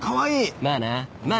まあなまあな。